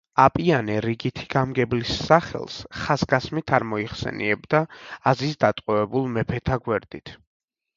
აპიანე რიგითი გამგებლის სახელს, ხაზგასმით არ მოიხსენიებდა აზიის დატყვევებულ მეფეთა გვერდით.